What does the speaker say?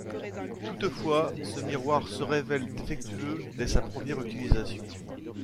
Toutefois, ce miroir se révèle défectueux dès sa première utilisation.